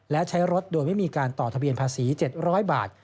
และใช้รถโดยไม่มีการต่อทะเบียนภาษี๗๐๐บาท